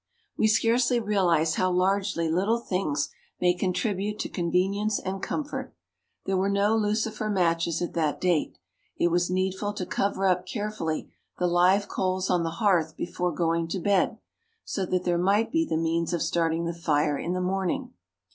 We scarcely realize how largely little things may contribute to convenience and comfort. There were no lucifer matches at that date. It was needful to cover up carefully the live coals on the hearth before going to bed, so that there might be the means of starting the fire in the morning.